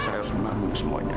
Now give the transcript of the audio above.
saya harus menangguh semuanya